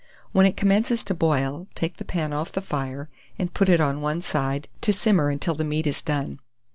When it commences to boil, take the pan off the fire, and put it on one side to simmer until the meat is done.